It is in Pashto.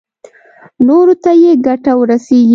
نورو ته يې ګټه ورسېږي.